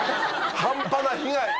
半端な被害！